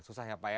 susah ya pak